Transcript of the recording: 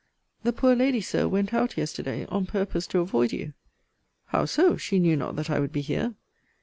The poor lady, Sir, went out yesterday, on purpose to avoid you. How so? she knew not that I would be here.